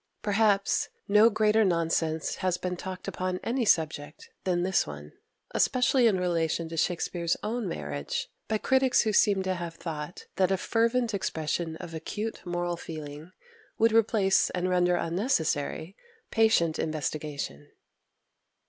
Perhaps no greater nonsense has been talked upon any subject than this one, especially in relation to Shakspere's own marriage, by critics who seem to have thought that a fervent expression of acute moral feeling would replace and render unnecessary patient investigation.